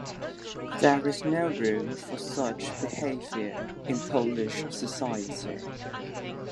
There is no room for such behavior in Polish society.